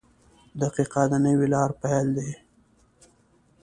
• دقیقه د نوې لارې پیل دی.